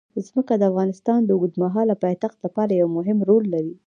ځمکه د افغانستان د اوږدمهاله پایښت لپاره یو مهم رول لري.